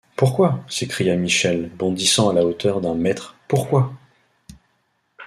Pourquoi? s’écria Michel, bondissant à la hauteur d’un mètre, pourquoi ?